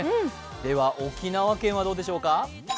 では沖縄県はどうでしょうか。